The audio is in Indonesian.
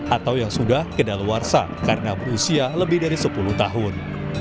atau yang sudah kedaluarsa karena berusia lebih dari sepuluh tahun